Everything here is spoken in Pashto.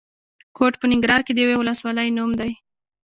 کوټ په ننګرهار کې د یوې ولسوالۍ نوم دی.